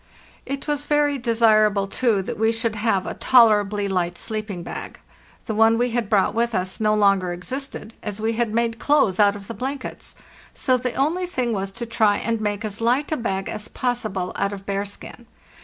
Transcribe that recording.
It was very desirable, too, that we should have a toler ably light sleeping bag. The one we had brought with us no longer existed, as we had made clothes out of the blankets; so the only thing was to try and make as light a bag as possible out of bearskin.